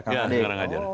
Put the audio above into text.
iya sekarang ngajar